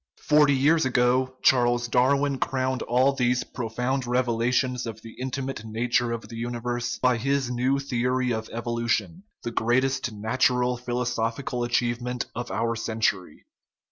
Forty years ago Charles Darwin crowned all these profound revelations of the intimate nature of the universe by his new theory of evolution, the greatest natural philosophical achieve ment of our century.